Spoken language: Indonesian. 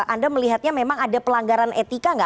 anda melihatnya memang ada pelanggaran etika nggak